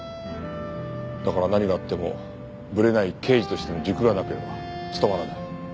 だから何があってもブレない刑事としての軸がなければ勤まらない。